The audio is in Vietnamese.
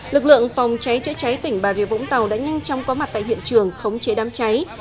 lực lượng phòng cháy chữa cháy tỉnh bà rịa vũng tàu đã nhanh chóng có mặt tại hiện trường khống chế đám cháy